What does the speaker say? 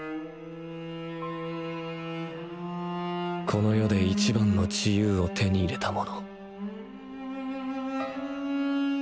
この世で一番の自由を手に入れた者。